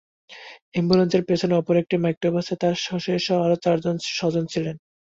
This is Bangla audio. অ্যাম্বুলেন্সের পেছনে অপর একটি মাইক্রোবাসে তাঁর শাশুড়িসহ আরও চার স্বজন ছিলেন।